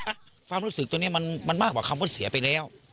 ความรู้สึกตัวนี้มันมากกว่าคำว่าเสียไปแล้ว